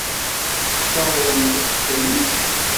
Tessawḍemt ad teqqimemt?